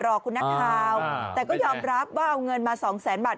รอคุณนักข่าวแต่ก็ยอมรับว่าเอาเงินมาสองแสนบาท